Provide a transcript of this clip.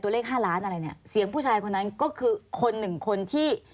เลข๕ล้านอะไรเนี่ยเสียงผู้ชายคนนั้นก็คือคนหนึ่งคนที่